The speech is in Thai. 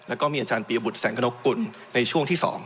แล้วก็มีอาจารย์ปียบุตรแสงกระนกกุลในช่วงที่๒